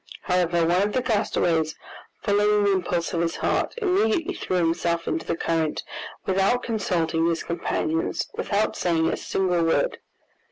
However, one of the castaways, following the impulse of his heart, immediately threw himself into the current, without consulting his companions, without saying a single word.